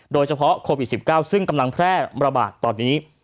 โดยเฉพาะโควิด๑๙ซึ่งกำลังแพร่ระบาดตอนนี้